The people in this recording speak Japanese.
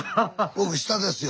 僕下ですよ。